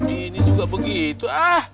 ini juga begitu